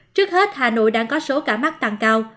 trước hết hà nội đang có số ca mắc tăng cao